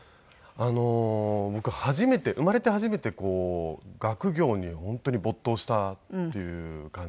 僕生まれて初めて学業に本当に没頭したっていう感じで。